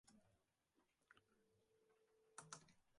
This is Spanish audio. Son una comida muy habitual en Ucrania.